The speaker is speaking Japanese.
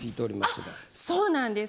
あそうなんです。